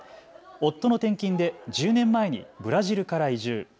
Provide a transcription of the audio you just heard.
夫の転勤で１０年前にブラジルから移住。